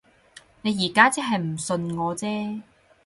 你而家即係唔信我啫